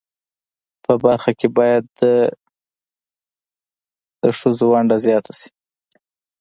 په برخه کښی باید د خځو ونډه ځیاته شی